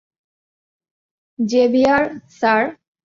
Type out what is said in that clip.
Xavier, sir.